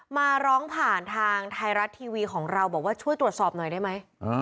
มาร้องผ่านทางไทยรัฐทีวีของเราบอกว่าช่วยตรวจสอบหน่อยได้ไหม